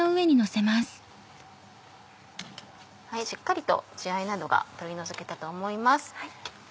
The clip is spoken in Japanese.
しっかりと血合いなどが取り除けたと思います。